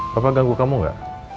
papa ganggu kamu gak